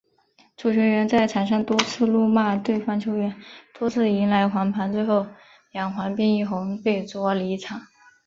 足球员在球场上多次怒骂对方球员，多次迎来黄牌，最后两黄变一红，被逐离场。